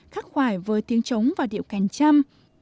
khắc khoải với tiếng trống và điệu cánh trăm